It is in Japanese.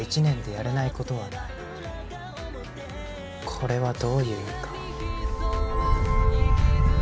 これはどういう意味か。